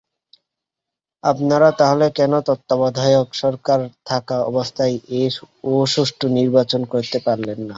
আপনারা তাহলে কেন তত্ত্বাবধায়ক সরকার থাকা অবস্থায়ও সুষ্ঠু নির্বাচন করতে পারলেন না।